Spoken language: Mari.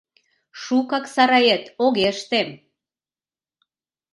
Шукак сарает огеш тем.